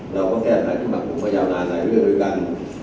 เราก็แก้ไหลที่บัตรภูมิไปยาวนานหลายเรื่องโดยกัน